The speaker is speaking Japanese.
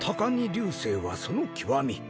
隆生はその極み。